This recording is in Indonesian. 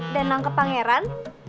dan nangkep pangeran